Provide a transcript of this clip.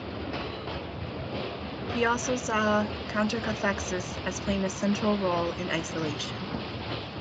He also saw countercathexis as playing a central role in isolation.